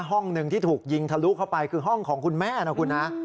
ห้องหนึ่งที่ถูกยิงทะลุเข้าไปคือห้องของคุณแม่นะคุณนะ